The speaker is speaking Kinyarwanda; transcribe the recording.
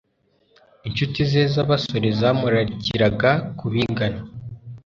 Inshuti ze z'abasore zamurarikiraga kubigana.